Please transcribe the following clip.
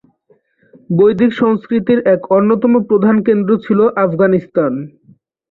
বৈদিক সংস্কৃতির এক অন্যতম প্রধান কেন্দ্র ছিল আফগানিস্তান।